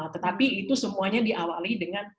tetapi itu semuanya diawali dengan